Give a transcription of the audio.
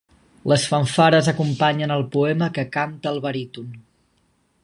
Les fanfares acompanyen el poema que canta el baríton.